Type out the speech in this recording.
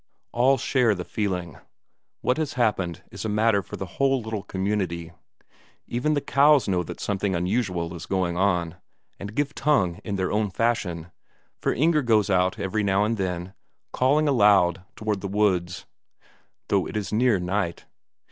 All share the feeling; what has happened is a matter for the whole little community. Even the cows know that something unusual is going on, and give tongue in their own fashion, for Inger goes out every now and then, calling aloud towards the woods, though it is near night.